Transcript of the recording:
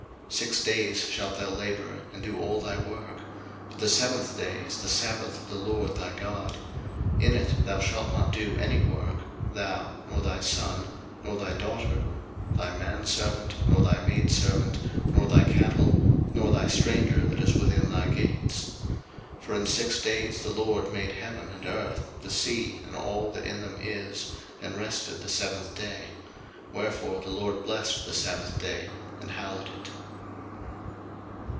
02:020:009 Six days shalt thou labour, and do all thy work: 02:020:010 But the seventh day is the sabbath of the LORD thy God: in it thou shalt not do any work, thou, nor thy son, nor thy daughter, thy manservant, nor thy maidservant, nor thy cattle, nor thy stranger that is within thy gates: 02:020:011 For in six days the LORD made heaven and earth, the sea, and all that in them is, and rested the seventh day: wherefore the LORD blessed the sabbath day, and hallowed it.